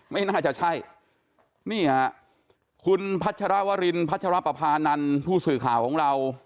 ไม่น่าจะใช่นี่ฮะคุณพัชรวรินพัชรปภานันทร์ผู้สื่อข่าวของเรา